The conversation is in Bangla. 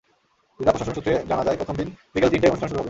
জেলা প্রশাসন সূত্রে জানা যায়, প্রথম দিন বিকেল তিনটায় অনুষ্ঠান শুরু হবে।